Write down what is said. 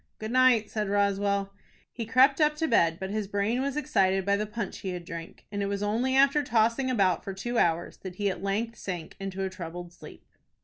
"Good night," said Roswell. He crept up to bed, but his brain was excited by the punch he had drank, and it was only after tossing about for two hours that he at length sank into a troubled sleep.